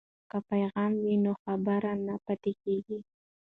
که پیغام وي نو خبر نه پاتې کیږي.